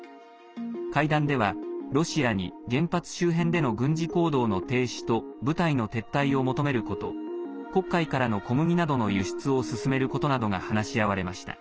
会談では、ロシアに原発周辺での軍事行動の停止と部隊の撤退を求めること黒海からの小麦などの輸出を進めることなどが話し合われました。